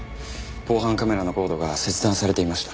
防犯カメラのコードが切断されていました。